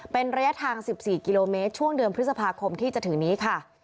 เป็นระยะทาง๑๔กิโลเมตรช่วงเดือนพฤษภาคมที่จะถึงนี้ค่ะ